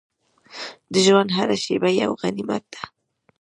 د ژوند هره شېبه یو غنیمت ده.